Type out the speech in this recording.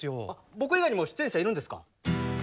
僕以外にも出演者いるんですか？